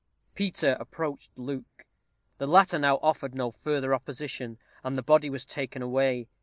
Peter approached Luke. The latter now offered no further opposition, and the body was taken away.